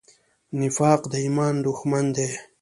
نفاق د ایمان دښمن دی.